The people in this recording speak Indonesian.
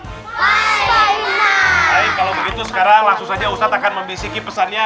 baik kalau begitu sekarang langsung saja ustadz akan membisiki pesannya